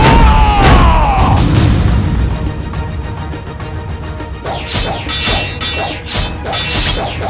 jika kau berada di menegurnya